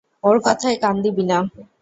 ওর কথায় কান দিবি না।